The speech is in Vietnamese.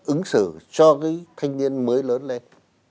ứng xử cho cái thanh niên mới lớn lên